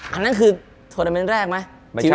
อันนั้นคือทวรรณ์แรกไหม